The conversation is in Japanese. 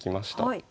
はい。